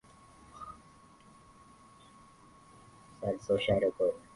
Taifa ambalo Fidel Castro aliita lililoendelea zaidi duniani hali ya maisha ilikuwa mbaya